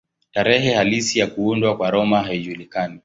Tarehe halisi ya kuundwa kwa Roma haijulikani.